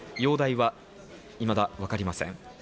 容体はいまだわかりません。